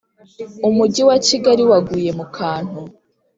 umugi wa Kigali waguye mu kantu